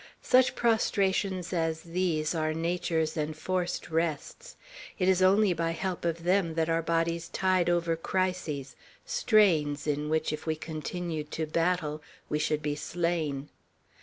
Such prostrations as these are Nature's enforced rests. It is often only by help of them that our bodies tide over crises, strains, in which, if we continued to battle, we should be slain.